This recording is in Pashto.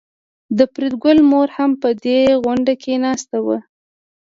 د فریدګل مور هم په دې غونډه کې ناسته وه